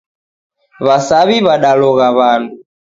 Wasawi wadalogha wandu